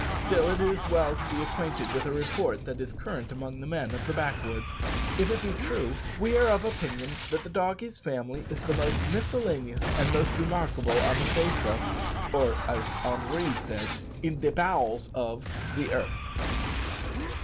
Still it is well to be acquainted with a report that is current among the men of the backwoods. If it be true, we are of opinion that the doggie's family is the most miscellaneous and remarkable on the face of or, as Henri said, in the bo' els of the earth.